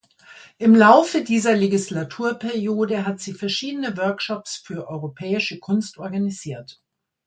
Im Laufe dieser Legislaturperiode hat sie verschiedene Workshopsfür europäische Kunst organisiert.